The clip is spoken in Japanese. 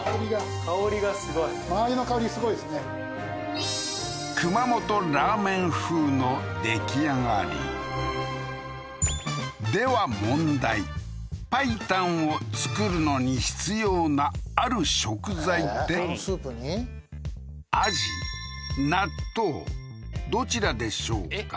香りがすごいマー油の香りすごいですね熊本ラーメン風の出来上がりでは問題白湯を作るのに必要なある食材ってアジ納豆どちらでしょうか？